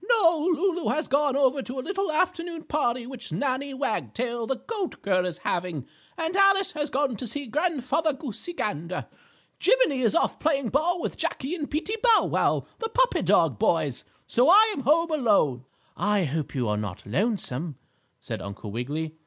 "No, Lulu has gone over to a little afternoon party which Nannie Wagtail, the goat girl, is having, and Alice has gone to see Grandfather Goosey Gander. Jiminie is off playing ball with Jackie and Peetie Bow Wow, the puppy dog boys, so I am home alone." "I hope you are not lonesome," said Uncle Wiggily.